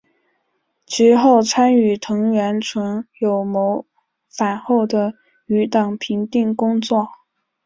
其后参与藤原纯友谋反后的余党平定工作。